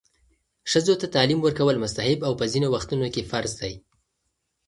ښځو ته تعلیم ورکول مستحب او په ځینو وختونو کې فرض دی.